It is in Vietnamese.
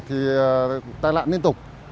thì tai lạc liên tục